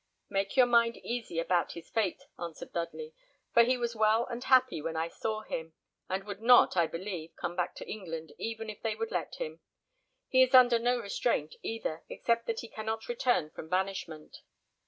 "Make your mind easy about his fate," answered Dudley, "for he was well and happy when I saw him, And would not, I believe, come back to England, even if they would let him. He is under no restraint either, except that he cannot return from banishment."